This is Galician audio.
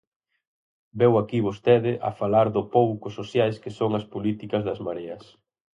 Veu aquí vostede a falar do pouco sociais que son as políticas das Mareas.